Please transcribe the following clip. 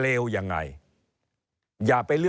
เริ่มตั้งแต่หาเสียงสมัครลง